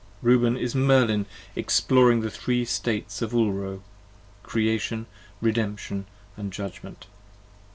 Reuben is Merlin Exploring the Three States of Ulro; Creation, Redemption, & Judgment.